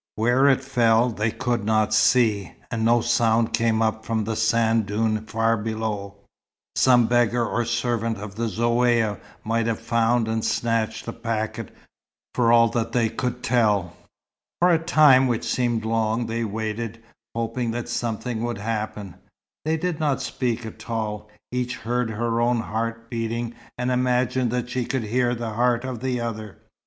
Where it fell, they could not see, and no sound came up from the sand dune far below. Some beggar or servant of the Zaouïa might have found and snatched the packet, for all that they could tell. For a time which seemed long, they waited, hoping that something would happen. They did not speak at all. Each heard her own heart beating, and imagined that she could hear the heart of the other.